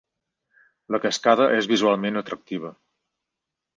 La cascada és visualment atractiva.